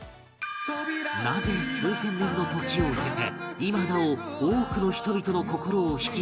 なぜ数千年の時を経て今なお多くの人々の心を引きつけるのか？